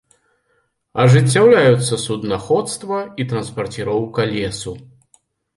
Ажыццяўляюцца суднаходства і транспарціроўка лесу.